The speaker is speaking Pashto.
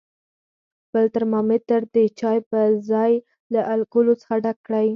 خپل ترمامتر د چای په ځای له الکولو څخه ډک کړئ.